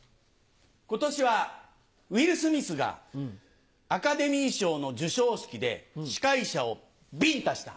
今年はウィル・スミスがアカデミー賞の授賞式で司会者をビンタした。